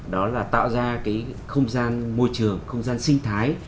đó là tạo ra cái không gian môi trường không gian sinh thái